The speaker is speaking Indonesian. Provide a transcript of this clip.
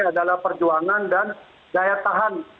adalah perjuangan dan daya tahan